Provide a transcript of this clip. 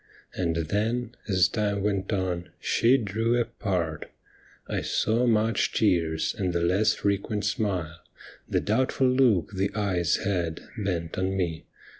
And then, as time went on, she drew apart, 1 saw much tears and the less frequent smile, The doubtful look the eyes had, bent on me.